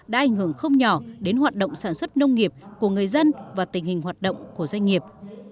đã ảnh hưởng không nhỏ đến hoạt động sản xuất nông nghiệp của người dân và tình hình hoạt động của doanh nghiệp